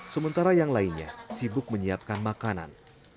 sementara yang lainnya sibuk menyiapkan makanan